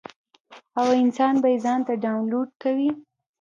او انسان به ئې ځان ته ډاونلوډ کوي -